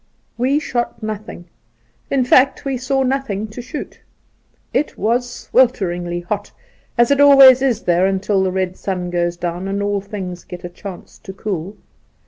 We shot nothing; in fact, we saw nothing to shoot. It was swelteringly hot, as it always is there until the red sun goes down and all things get a chance to cool.